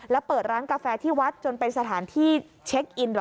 แล้วเปิดร้านกาแฟที่วัดจนเป็นสถานที่เช็คอินด้วย